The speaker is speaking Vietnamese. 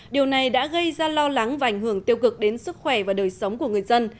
điều này đã gây ra lo lắng và ảnh hưởng tiêu cực đến sức khỏe và đời sống của người dân